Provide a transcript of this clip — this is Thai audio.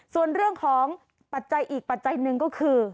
ส่วนเรื่องของปัจจัยอีกปัจจัยหนึ่งก็คือ